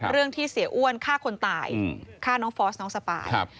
เรื่องที่เสียอ้วนฆ่าคนตายอืมฆ่าน้องฟอสน้องสปายครับ